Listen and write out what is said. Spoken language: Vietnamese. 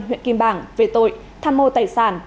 huyện kim bảng về tội tham mô tài sản